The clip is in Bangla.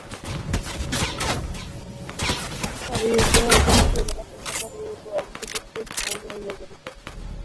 তবে ইউক্রেনের অধিকাংশ এলাকা কৃষ্ণ সাগরের উপরে অবস্থিত স্টেপ সমভূমি নিয়ে গঠিত।